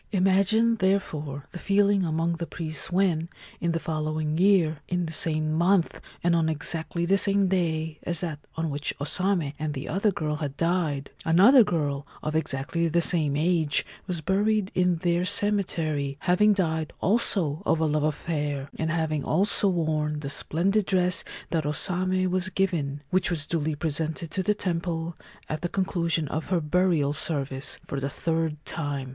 Imagine, therefore, the feeling among the priests when, in the following year, in the same month and on exactly the same day as that on which O Same and the other girl had died, another girl of exactly the same age was buried in their cemetery, having died also of a love affair, and having also worn the splendid dress that O Same was given, which was duly presented to the temple, at the conclusion of her burial service, for the third time.